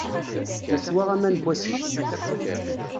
Yeswa aman n wasif.